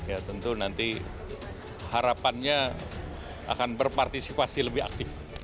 ya tentu nanti harapannya akan berpartisipasi lebih aktif